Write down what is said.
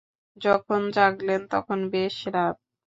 যখন জাগলেন, তখন বেশ রাত।